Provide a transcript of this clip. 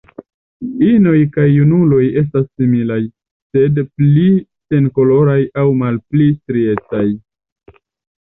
Inoj kaj junuloj estas similaj, sed pli senkoloraj aŭ malpli striecaj.